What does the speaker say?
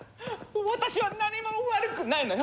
私は何も悪くないのよ！？